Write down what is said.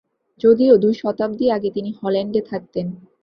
যদিও দুই শতাব্দী আগে তিনি হল্যান্ডে থাকতেন।